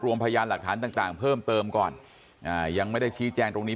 รวมพยานหลักฐานต่างเพิ่มเติมก่อนยังไม่ได้ชี้แจ้งตรงนี้